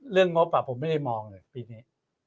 เรื่องงบผมไม่ได้มองอยู่ปีนี้